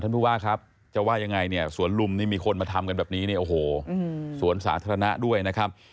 ผู้ว่าครับจะว่ายังไงเนี่ยสวนลุมนี่มีคนมาทำกันแบบนี้เนี่ยโอ้โหสวนสาธารณะด้วยนะครับ